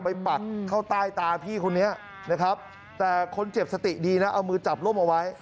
ปักเข้าใต้ตาพี่คนนี้นะครับแต่คนเจ็บสติดีนะเอามือจับร่มเอาไว้